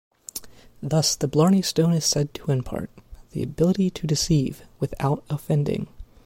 Thus the Blarney Stone is said to impart "the ability to deceive without offending".